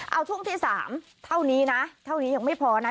เอาช่วงที่๓เท่านี้นะเท่านี้ยังไม่พอนะ